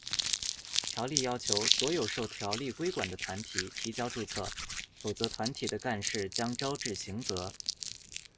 条例要求所有受条例规管的团体提交注册，否则团体的干事将招致刑责。